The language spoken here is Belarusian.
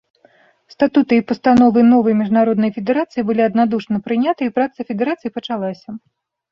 Статуты і пастановы новай міжнароднай федэрацыі былі аднадушна прыняты, і праца федэрацыі пачалася.